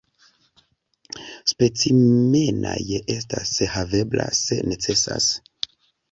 Specimenaj estas havebla se necesas.